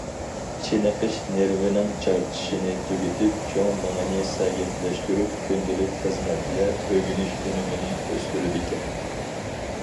چېنىقىش نېرۋىنىڭ چارچىشىنى تۈگىتىپ، چوڭ مېڭىنى سەگەكلەشتۈرۈپ، كۈندىلىك خىزمەت ۋە ئۆگىنىش ئۈنۈمىنى ئۆستۈرىدىكەن.